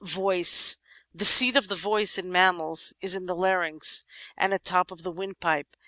• Voice The seat of the voice in mammals is in the larynx, at the top of the windpipe.